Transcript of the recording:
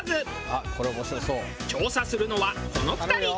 調査するのはこの２人。